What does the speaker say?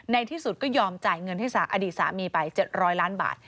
ในที่สุดก็ยอมจ่ายเงินให้อดีตสามีไป๗๐๐ล้านบาท